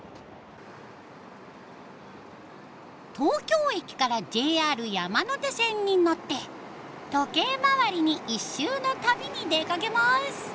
東京駅からＪＲ山手線に乗って時計回りに一周の旅に出かけます。